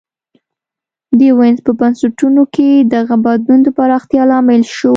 د وینز په بنسټونو کې دغه بدلون د پراختیا لامل شو